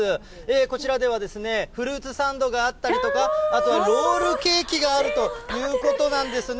こちらでは、フルーツサンドがあったりとか、あとはロールケーキがあるということなんですね。